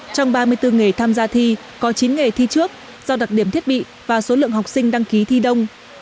trong ba mươi bốn nghề tham gia thi có chín nghề thi trước do đặc điểm thiết bị và số lượng học sinh đăng ký thi đông